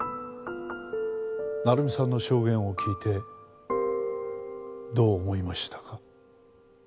成美さんの証言を聞いてどう思いましたか？